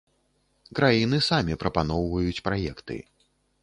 Краіны самі прапаноўваюць праекты.